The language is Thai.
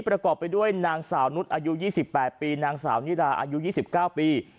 ประกอบไปด้วยนางสาวนุษย์อายุยี่สิบแปดปีนางสาวนิราอายุยี่สิบเก้าปี